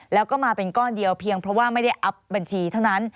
แล้วก็มาเป็นก้อนเดียวเพียงเพราะว่าไม่ได้อัพบัญชีเท่านั้น